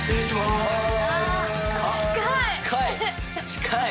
近い！